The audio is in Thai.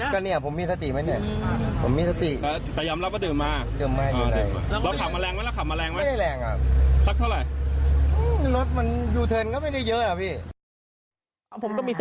ก็เนี่ยผมมีสติไหมเนี่ย